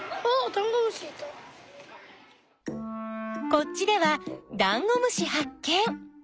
こっちではダンゴムシはっ見！